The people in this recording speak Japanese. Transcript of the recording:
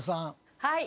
はい。